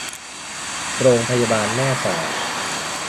โรงพยาบาลแม่สอด